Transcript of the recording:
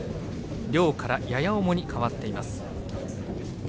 良から、やや重に変わっています。